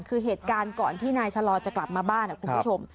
คือเหตุการณ์ก่อนที่นายชะลอจะกลับมาบ้านคุณผู้ชม